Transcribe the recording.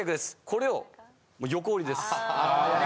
これを横折りです。